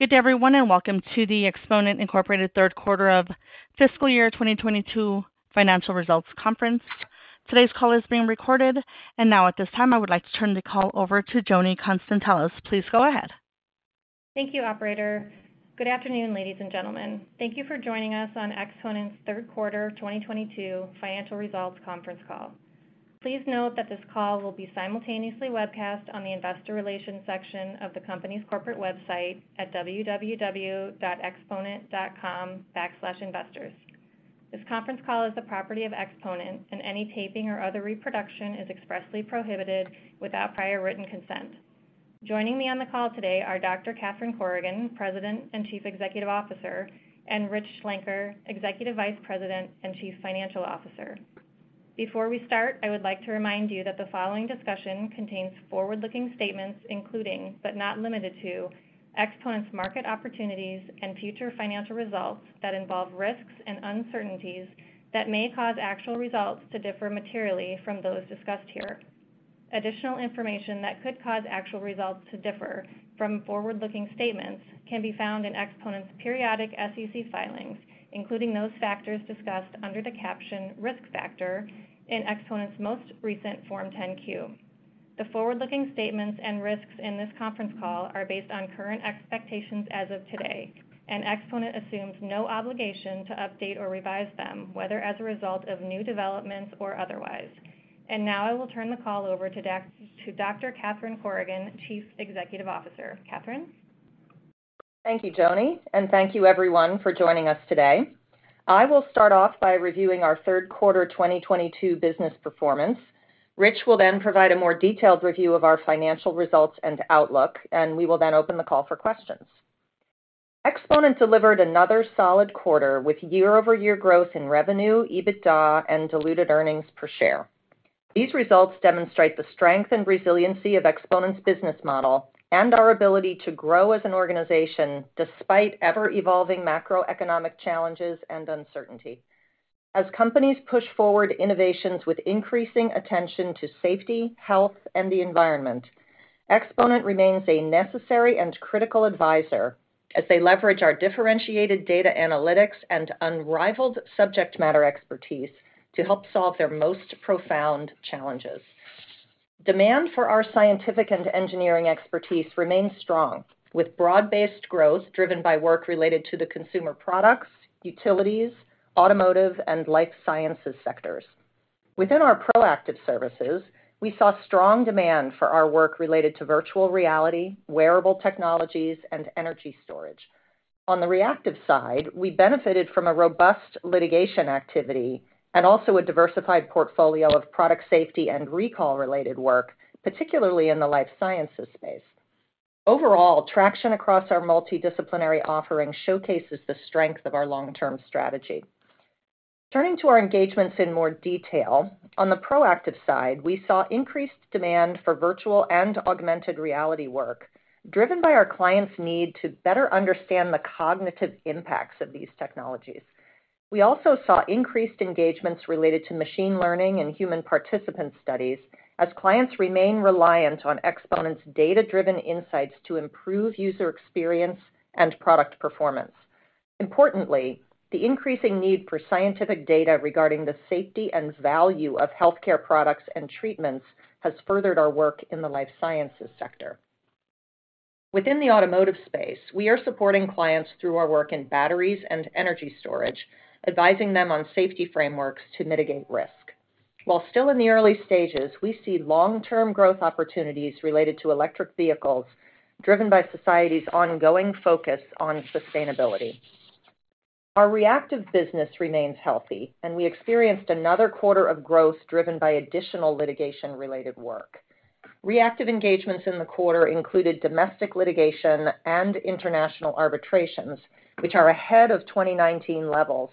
Good day, everyone, and welcome to the Exponent, Inc. third quarter of fiscal year 2022 financial results conference. Today's call is being recorded. Now at this time, I would like to turn the call over to Joni Konstantelos. Please go ahead. Thank you, operator. Good afternoon, ladies and gentlemen. Thank you for joining us on Exponent's third quarter 2022 financial results conference call. Please note that this call will be simultaneously webcast on the Investor Relations section of the company's corporate website at www.exponent.com/investors. This conference call is the property of Exponent, and any taping or other reproduction is expressly prohibited without prior written consent. Joining me on the call today are Dr. Catherine Corrigan, President and Chief Executive Officer, and Rich Schlenker, Executive Vice President and Chief Financial Officer. Before we start, I would like to remind you that the following discussion contains forward-looking statements, including, but not limited to, Exponent's market opportunities and future financial results that involve risks and uncertainties that may cause actual results to differ materially from those discussed here. Additional information that could cause actual results to differ from forward-looking statements can be found in Exponent's periodic SEC filings, including those factors discussed under the caption Risk Factors in Exponent's most recent Form 10-Q. The forward-looking statements and risks in this conference call are based on current expectations as of today, and Exponent assumes no obligation to update or revise them, whether as a result of new developments or otherwise. Now I will turn the call over to Dr. Catherine Corrigan, Chief Executive Officer. Catherine? Thank you, Joni. Thank you everyone for joining us today. I will start off by reviewing our third quarter 2022 business performance. Rich will then provide a more detailed review of our financial results and outlook, and we will then open the call for questions. Exponent delivered another solid quarter with year-over-year growth in revenue, EBITDA, and diluted earnings per share. These results demonstrate the strength and resiliency of Exponent's business model and our ability to grow as an organization despite ever-evolving macroeconomic challenges and uncertainty. As companies push forward innovations with increasing attention to safety, health, and the environment, Exponent remains a necessary and critical advisor as they leverage our differentiated data analytics and unrivaled subject matter expertise to help solve their most profound challenges. Demand for our scientific and engineering expertise remains strong, with broad-based growth driven by work related to the Consumer Products, Utilities, Automotive, and Life Sciences sectors. Within our proactive services, we saw strong demand for our work related to Virtual Reality, Wearable Technologies, and Energy Storage. On the Reactive side, we benefited from a robust litigation activity and also a diversified portfolio of product safety and recall-related work, particularly in the Life Sciences space. Overall, traction across our multidisciplinary offering showcases the strength of our long-term strategy. Turning to our engagements in more detail, on the Proactive side, we saw increased demand for virtual and augmented reality work, driven by our clients' need to better understand the cognitive impacts of these technologies. We also saw increased engagements related to machine learning and human participant studies as clients remain reliant on Exponent's data-driven insights to improve user experience and product performance. Importantly, the increasing need for scientific data regarding the safety and value of healthcare products and treatments has furthered our work in the Life Sciences sector. Within the automotive space, we are supporting clients through our work in batteries and energy storage, advising them on safety frameworks to mitigate risk. While still in the early stages, we see long-term growth opportunities related to electric vehicles driven by society's ongoing focus on sustainability. Our reactive business remains healthy, and we experienced another quarter of growth driven by additional litigation-related work. Reactive engagements in the quarter included domestic litigation and international arbitrations, which are ahead of 2019 levels,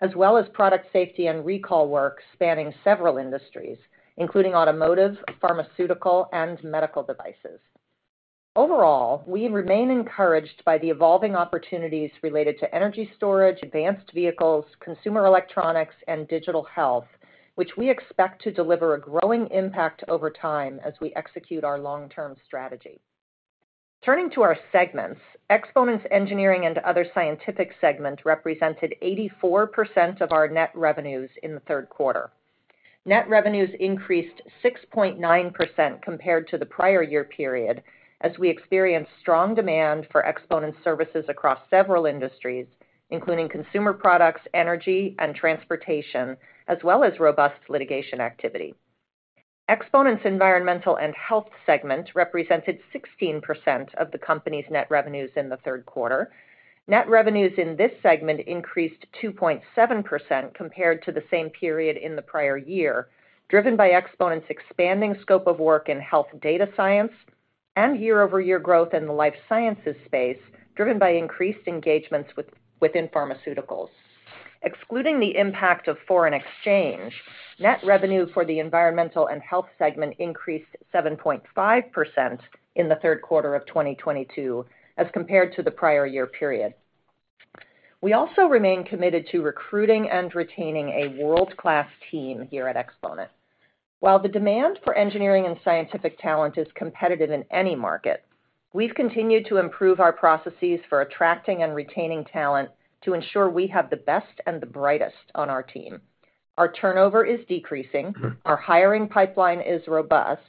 as well as product safety and recall work spanning several industries, including Automotive, pharmaceutical, and medical devices. Overall, we remain encouraged by the evolving opportunities related to energy storage, advanced vehicles, consumer electronics, and digital health, which we expect to deliver a growing impact over time as we execute our long-term strategy. Turning to our segments, Exponent's Engineering and Other Scientific segment represented 84% of our net revenues in the third quarter. Net revenues increased 6.9% compared to the prior year period as we experienced strong demand for Exponent's services across several industries, including Consumer Products, Energy, and Transportation, as well as robust litigation activity. Exponent's Environmental and Health segment represented 16% of the company's net revenues in the third quarter. Net revenues in this segment increased 2.7% compared to the same period in the prior year, driven by Exponent's expanding scope of work in Health Data Science and year-over-year growth in the Life Sciences space, driven by increased engagements within pharmaceuticals. Excluding the impact of foreign exchange, net revenue for the Environmental and Health segment increased 7.5% in the third quarter of 2022 as compared to the prior year period. We also remain committed to recruiting and retaining a world-class team here at Exponent. While the demand for engineering and scientific talent is competitive in any market, we've continued to improve our processes for attracting and retaining talent to ensure we have the best and the brightest on our team. Our turnover is decreasing, our hiring pipeline is robust,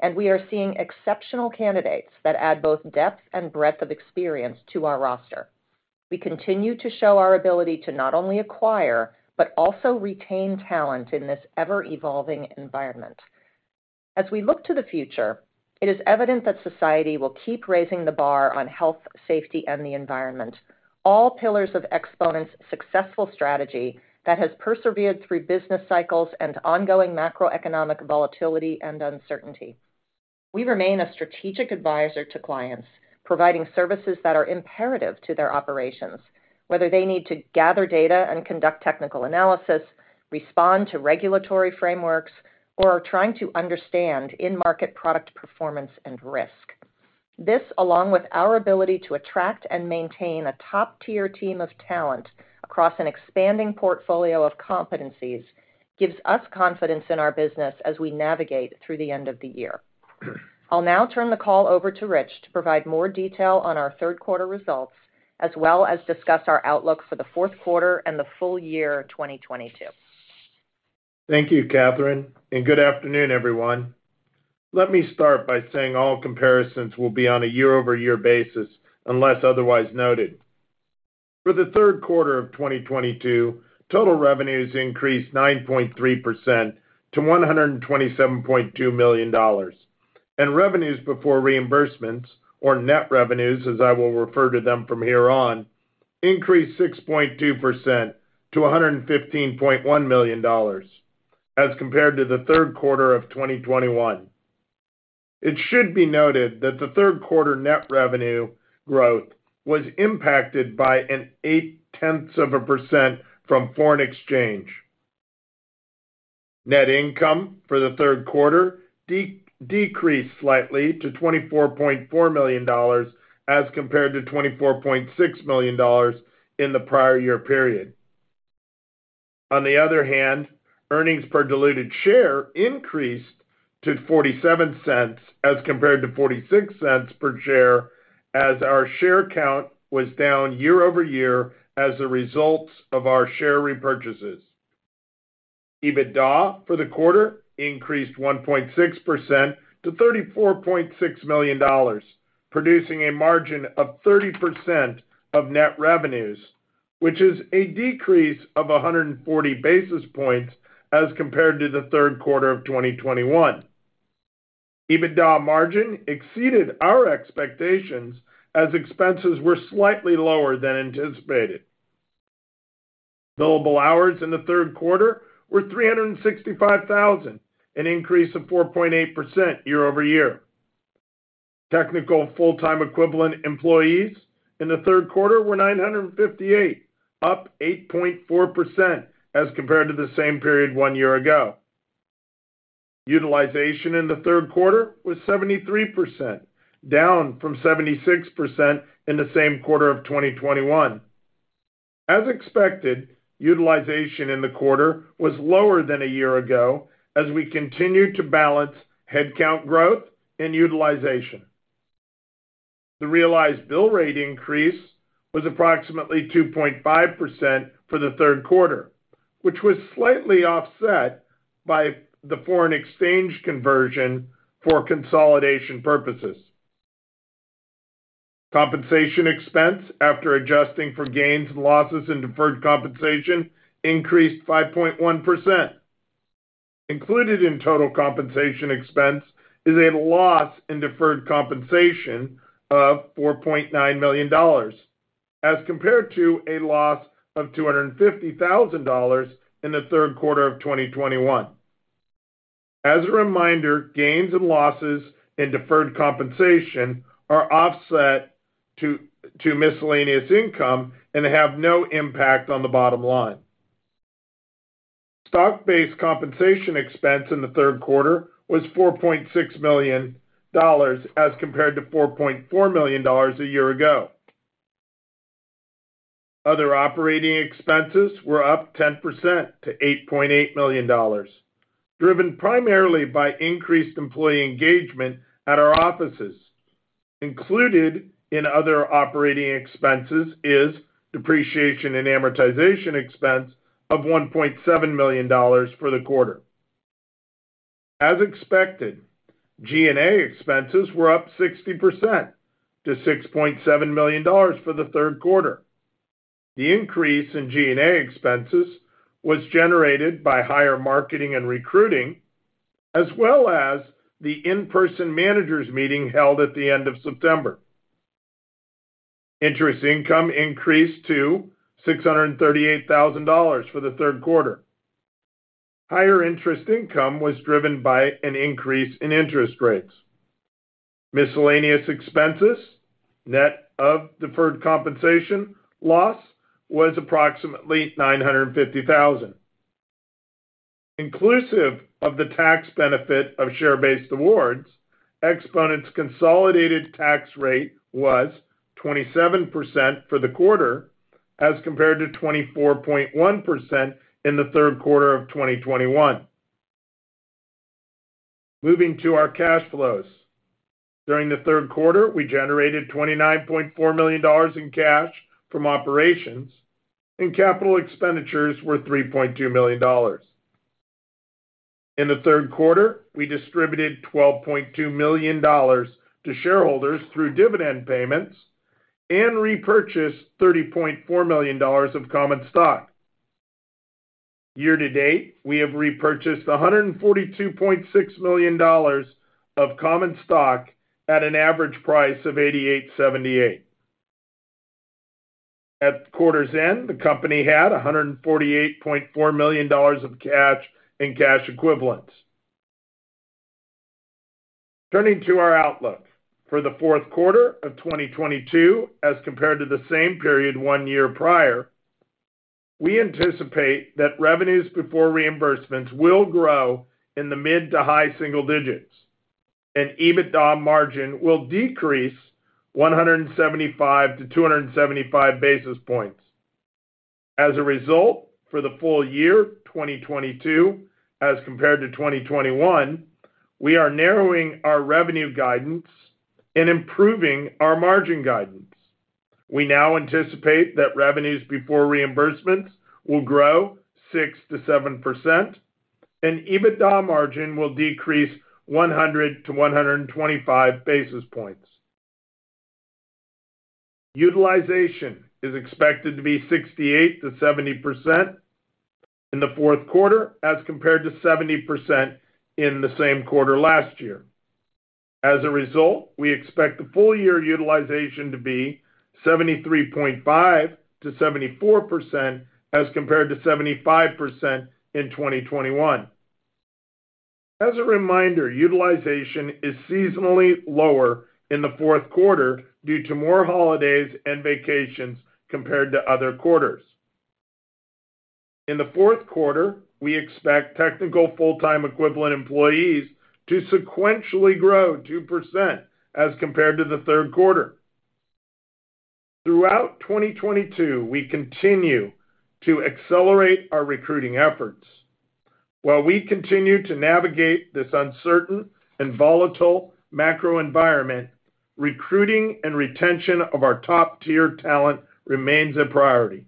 and we are seeing exceptional candidates that add both depth and breadth of experience to our roster. We continue to show our ability to not only acquire but also retain talent in this ever-evolving environment. As we look to the future, it is evident that society will keep raising the bar on health, safety, and the environment, all pillars of Exponent's successful strategy that has persevered through business cycles and ongoing macroeconomic volatility and uncertainty. We remain a strategic advisor to clients, providing services that are imperative to their operations, whether they need to gather data and conduct technical analysis, respond to regulatory frameworks, or are trying to understand in-market product performance and risk. This, along with our ability to attract and maintain a top-tier team of talent across an expanding portfolio of competencies, gives us confidence in our business as we navigate through the end of the year. I'll now turn the call over to Rich to provide more detail on our third-quarter results, as well as discuss our outlook for the fourth quarter and the full year 2022. Thank you, Catherine, and good afternoon, everyone. Let me start by saying all comparisons will be on a year-over-year basis, unless otherwise noted. For the third quarter of 2022, total revenues increased 9.3% to $127.2 million. Revenues before reimbursements, or net revenues, as I will refer to them from here on, increased 6.2% to $115.1 million as compared to the third quarter of 2021. It should be noted that the third quarter net revenue growth was impacted by 0.8% from foreign exchange. Net income for the third quarter decreased slightly to $24.4 million as compared to $24.6 million in the prior year period. On the other hand, earnings per diluted share increased to $0.47 as compared to $0.46 per share as our share count was down year-over-year as a result of our share repurchases. EBITDA for the quarter increased 1.6% to $34.6 million, producing a margin of 30% of net revenues, which is a decrease of 140 basis points as compared to the third quarter of 2021. EBITDA margin exceeded our expectations as expenses were slightly lower than anticipated. Billable hours in the third quarter were 365,000, an increase of 4.8% year-over-year. Technical full-time equivalent employees in the third quarter were 958, up 8.4% as compared to the same period one year ago. Utilization in the third quarter was 73%, down from 76% in the same quarter of 2021. As expected, utilization in the quarter was lower than a year ago as we continued to balance headcount growth and utilization. The realized bill rate increase was approximately 2.5% for the third quarter, which was slightly offset by the foreign exchange conversion for consolidation purposes. Compensation expense after adjusting for gains and losses and deferred compensation increased 5.1%. Included in total compensation expense is a loss in deferred compensation of $4.9 million as compared to a loss of $250,000 in the third quarter of 2021. As a reminder, gains and losses in deferred compensation are offset to miscellaneous income and have no impact on the bottom line. Stock-based compensation expense in the third quarter was $4.6 million as compared to $4.4 million a year ago. Other operating expenses were up 10% to $8.8 million, driven primarily by increased employee engagement at our offices. Included in other operating expenses is depreciation and amortization expense of $1.7 million for the quarter. As expected, G&A expenses were up 60% to $6.7 million for the third quarter. The increase in G&A expenses was generated by higher marketing and recruiting, as well as the in-person managers meeting held at the end of September. Interest income increased to $638,000 for the third quarter. Higher interest income was driven by an increase in interest rates. Miscellaneous expenses, net of deferred compensation loss, was approximately $950,000. Inclusive of the tax benefit of share-based awards, Exponent's consolidated tax rate was 27% for the quarter as compared to 24.1% in the third quarter of 2021. Moving to our cash flows. During the third quarter, we generated $29.4 million in cash from operations, and capital expenditures were $3.2 million. In the third quarter, we distributed $12.2 million to shareholders through dividend payments and repurchased $30.4 million of common stock. Year to date, we have repurchased $142.6 million of common stock at an average price of $88.78. At quarter's end, the company had $148.4 million of cash and cash equivalents. Turning to our outlook. For the fourth quarter of 2022, as compared to the same period one year prior, we anticipate that revenues before reimbursements will grow in the mid-to-high single digits, and EBITDA margin will decrease 175 basis points-275 basis points. As a result, for the full year 2022 as compared to 2021, we are narrowing our revenue guidance and improving our margin guidance. We now anticipate that revenues before reimbursements will grow 6%-7%, and EBITDA margin will decrease 100 basis points-125 basis points. Utilization is expected to be 68%-70% in the fourth quarter as compared to 70% in the same quarter last year. As a result, we expect the full year utilization to be 73.5%-74% as compared to 75% in 2021. As a reminder, utilization is seasonally lower in the fourth quarter due to more holidays and vacations compared to other quarters. In the fourth quarter, we expect technical full-time equivalent employees to sequentially grow 2% as compared to the third quarter. Throughout 2022, we continue to accelerate our recruiting efforts. While we continue to navigate this uncertain and volatile macro environment, recruiting and retention of our top-tier talent remains a priority.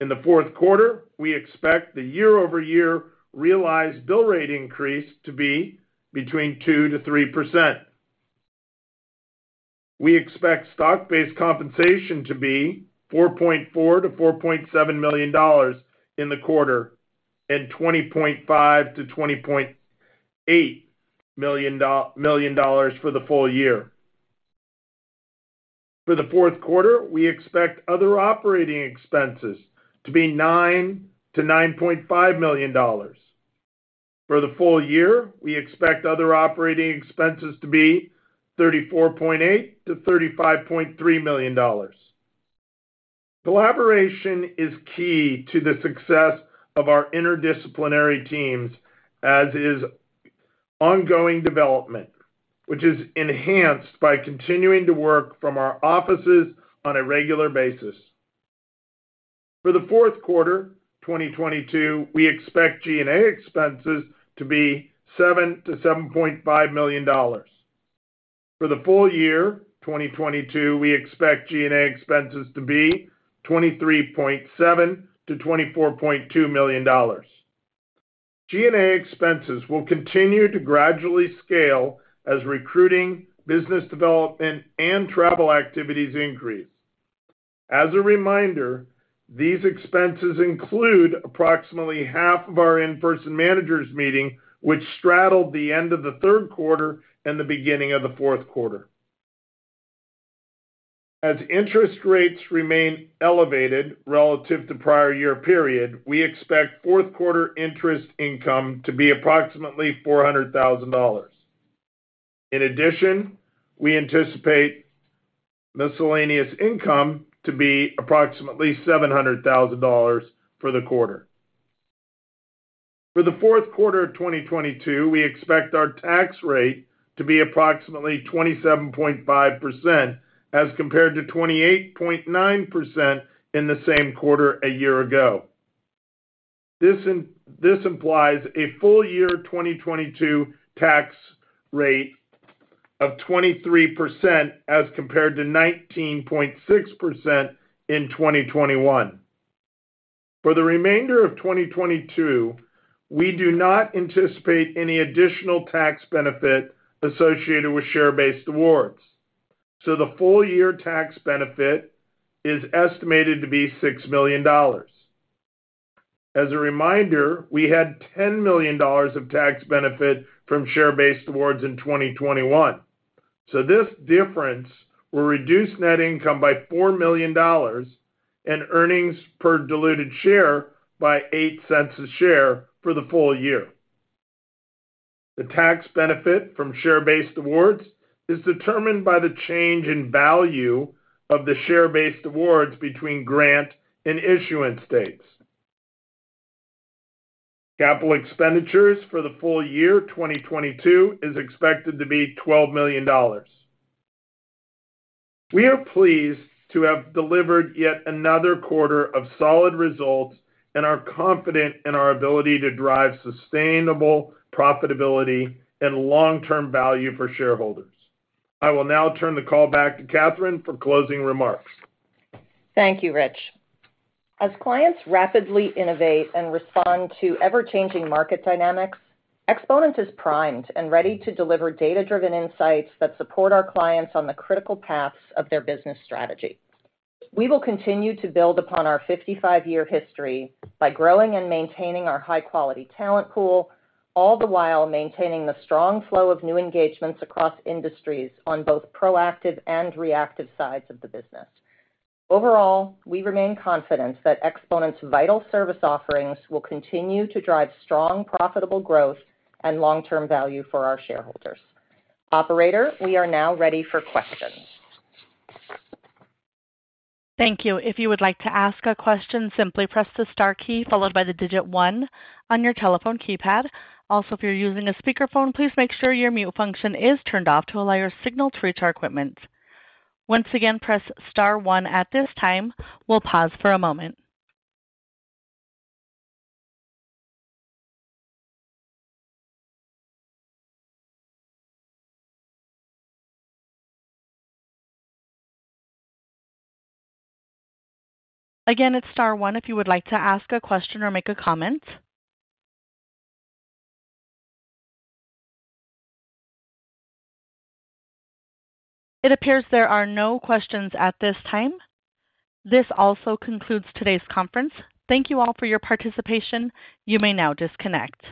In the fourth quarter, we expect the year-over-year realized bill rate increase to be between 2%-3%. We expect stock-based compensation to be $4.4 million-$4.7 million in the quarter and $20.5 million-$20.8 million dollars for the full year. For the fourth quarter, we expect other operating expenses to be $9 million-$9.5 million. For the full year, we expect other operating expenses to be $34.8 million-$35.3 million. Collaboration is key to the success of our interdisciplinary teams, as is ongoing development, which is enhanced by continuing to work from our offices on a regular basis. For the fourth quarter 2022, we expect G&A expenses to be $7-$7.5 million. For the full year 2022, we expect G&A expenses to be $23.7 million-$24.2 million. G&A expenses will continue to gradually scale as recruiting, business development, and travel activities increase. As a reminder, these expenses include approximately half of our in-person managers meeting, which straddled the end of the third quarter and the beginning of the fourth quarter. As interest rates remain elevated relative to prior year period, we expect fourth quarter interest income to be approximately $400,000. In addition, we anticipate miscellaneous income to be approximately $700,000 for the quarter. For the fourth quarter of 2022, we expect our tax rate to be approximately 27.5% as compared to 28.9% in the same quarter a year ago. This implies a full year 2022 tax rate of 23% as compared to 19.6% in 2021. For the remainder of 2022, we do not anticipate any additional tax benefit associated with share-based awards, so the full year tax benefit is estimated to be $6 million. As a reminder, we had $10 million of tax benefit from share-based awards in 2021. This difference will reduce net income by $4 million and earnings per diluted share by $0.08 per share for the full year. The tax benefit from share-based awards is determined by the change in value of the share-based awards between grant and issuance dates. Capital expenditures for the full year 2022 is expected to be $12 million. We are pleased to have delivered yet another quarter of solid results and are confident in our ability to drive sustainable profitability and long-term value for shareholders. I will now turn the call back to Catherine for closing remarks. Thank you, Rich. As clients rapidly innovate and respond to ever-changing market dynamics, Exponent is primed and ready to deliver data-driven insights that support our clients on the critical paths of their business strategy. We will continue to build upon our 55-year history by growing and maintaining our high-quality talent pool, all the while maintaining the strong flow of new engagements across industries on both proactive and reactive sides of the business. Overall, we remain confident that Exponent's vital service offerings will continue to drive strong, profitable growth and long-term value for our shareholders. Operator, we are now ready for questions. Thank you. If you would like to ask a question, simply press the star key followed by the digit one on your telephone keypad. Also, if you're using a speakerphone, please make sure your mute function is turned off to allow your signal to reach our equipment. Once again, press star one. At this time, we'll pause for a moment. Again, it's star one if you would like to ask a question or make a comment. It appears there are no questions at this time. This also concludes today's conference. Thank you all for your participation. You may now disconnect.